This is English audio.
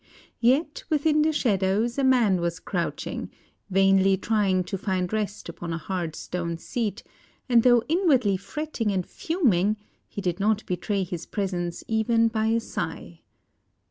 Yet within the shadows, a man was crouching, vainly trying to find rest upon a hard stone seat, and though inwardly fretting and fuming, he did not betray his presence even by a sigh.